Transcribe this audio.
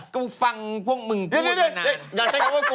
กูฟังพวกมึงพูดมานาน